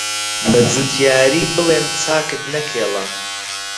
بەجوتیاری بڵێم چاکت نەکێڵا